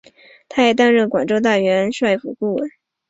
他还担任广州大元帅府顾问。